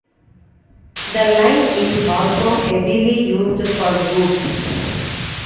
The line is also heavily used for goods.